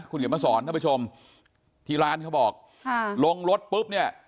คุณเขียนมาสอนท่านผู้ชมที่ร้านเขาบอกค่ะลงรถปุ๊บเนี่ย